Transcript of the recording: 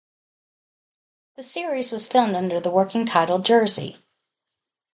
The series was filmed under the working title "Jersey".